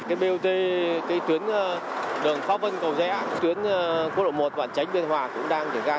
cái bot cái tuyến đường pháp vân cầu dẽ tuyến quốc lộ một và tránh biên hòa cũng đang triển khai